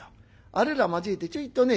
あれら交えてちょいとね